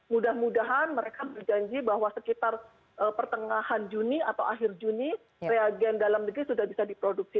mudah mudahan mereka berjanji bahwa sekitar pertengahan juni atau akhir juni reagen dalam negeri sudah bisa diproduksi